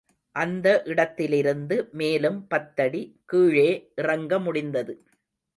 அந்த இடத்திலிருந்து மேலும் பத்தடி கீழே இறங்க முடிந்தது.